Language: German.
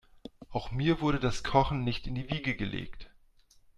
Auch mir wurde das Kochen nicht in die Wiege gelegt.